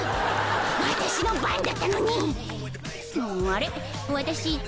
私の番だったのに。